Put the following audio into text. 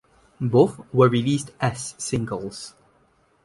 Both were released as singles.